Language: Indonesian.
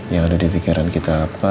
yang ada di pikiran kita apa